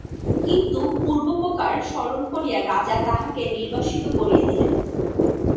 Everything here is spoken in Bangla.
কিন্তু পূর্বোপকার স্মরণ করিয়া রাজা তাঁহাকে নির্বাসিত করিয়া দিলেন।